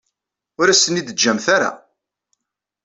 Ur as-ten-id-teǧǧamt ara.